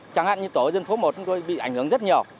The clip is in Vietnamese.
chẳng hạn như tổ dân phố một chúng tôi bị ảnh hưởng rất nhiều